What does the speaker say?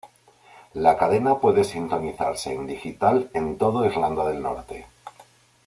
La cadena puede sintonizarse en digital en todo Irlanda del Norte.